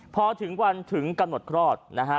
พอถึงการหนดคลอดนะฮะ